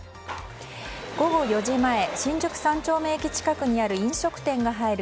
午後４時前新宿三丁目駅近くにある飲食店が入る